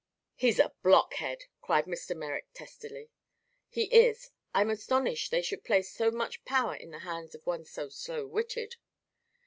"He's a blockhead!" cried Mr. Merrick testily. "He is. I'm astonished they should place so much power in the hands of one so slow witted."